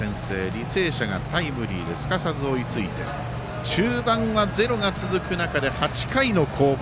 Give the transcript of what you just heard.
履正社がタイムリーですかさず追いついて中盤はゼロが続く中で８回の攻防。